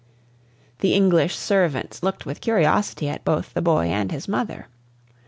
The English servants looked with curiosity at both the boy and his mother.